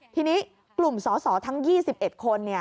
ทีนี้กลุ่มสอสอทั้ง๒๑คน